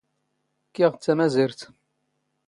ⴽⴽⵉⵖ ⴷ ⵜⴰⵎⴰⵣⵉⵔⵜ.